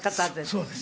そうです。